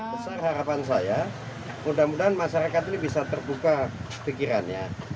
besar harapan saya mudah mudahan masyarakat ini bisa terbuka pikirannya